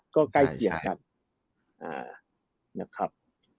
ก็ใกล้เกี่ยวกัน